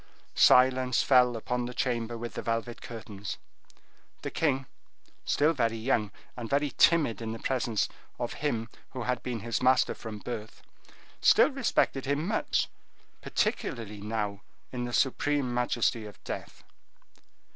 Silence fell upon the chamber with the velvet curtains. The king, still very young, and very timid in the presence of him who had been his master from his birth, still respected him much, particularly now, in the supreme majesty of death.